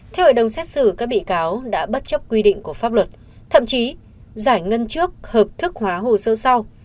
theo hội đồng xét xử các bị cáo đã bất chấp quy định của pháp luật thậm chí giải ngân trước hợp thức hóa hồ sơ sau